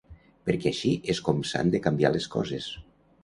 Perquè així és com s’han de canviar les coses.